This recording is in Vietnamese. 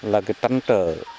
là cái tăn trở